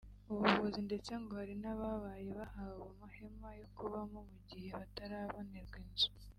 ubuvuzi ndetse ngo hari n’ababaye bahawe amahema yo kubamo mu gihe batarabonerwa inzu